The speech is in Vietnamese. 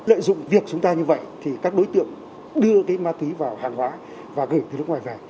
lợi dụng việc chúng ta như vậy thì các đối tượng đưa cái ma túy vào hàng hóa và gửi từ nước ngoài vào